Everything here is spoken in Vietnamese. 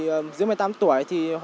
em bình thường ít ạ